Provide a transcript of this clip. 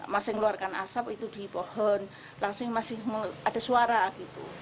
masih ngeluarkan asap itu di pohon langsung masih ada suara gitu